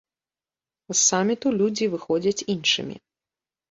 З саміту людзі выходзяць іншымі.